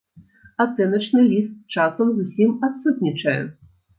Ацэначны ліст часам зусім адсутнічае.